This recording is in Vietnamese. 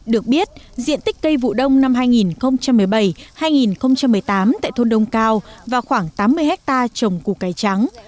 được biết diện tích cây vụ đông năm hai nghìn một mươi bảy hai nghìn một mươi tám tại thôn đông cao và khoảng tám mươi hectare trồng củ cải trắng